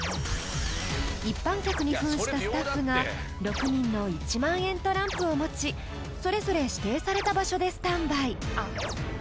［一般客に扮したスタッフが６人の１万円トランプを持ちそれぞれ指定された場所でスタンバイ］